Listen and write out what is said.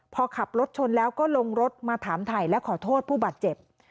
พอขับรถชนแล้วก็ลงรถมาถามถ่ายและขอโทษผู้บาดเจ็บ